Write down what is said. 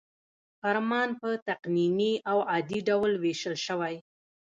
فرمان په تقنیني او عادي ډول ویشل شوی.